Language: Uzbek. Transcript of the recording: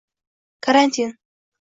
Karantin: